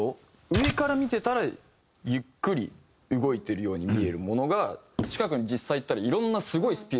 上から見てたらゆっくり動いてるように見えるものが近くに実際行ったらいろんなすごいスピードで。